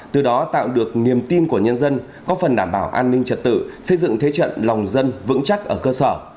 từ đó tạo được niềm tin của nhân dân có phần đảm bảo an ninh trật tự xây dựng thế trận lòng dân vững chắc ở cơ sở